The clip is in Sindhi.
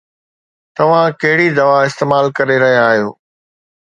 توهان ڪهڙي دوا استعمال ڪري رهيا آهيو؟